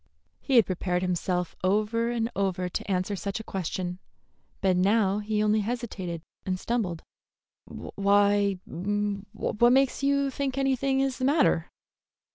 He had prepared himself over and over to answer such a question, but now he only hesitated and stumbled. "Why what makes you think anything is the matter?"